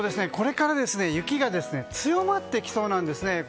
これから雪が強まってきそうなんですね。